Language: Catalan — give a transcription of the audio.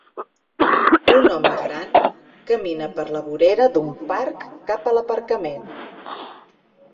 Un home gran camina per la vorera d'un parc cap a l'aparcament.